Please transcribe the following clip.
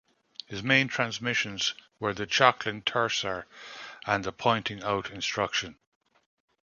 His main transmissions were the Chokling Tersar and the pointing-out instruction.